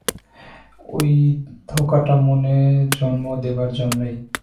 ঐ ধোঁকাটা মনে জন্মে দেবার জন্যেই।